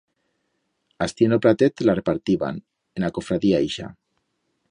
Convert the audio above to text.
Astí en o pratet la repartiban, en a cofradía ixa.